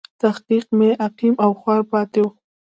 تحقیق مې عقیم او خوار پاتې و.